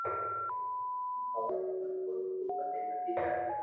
ھون ھوارو جاو پرو تو ڀلي متيجا